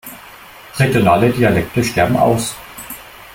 Regionale Dialekte sterben aus.